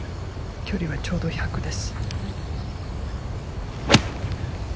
距離がちょうど１００です。